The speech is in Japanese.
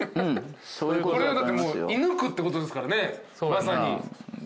これはだって射抜くってことですからねまさに。